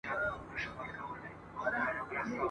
ویل زه یو ځلي ځمه تر بازاره !.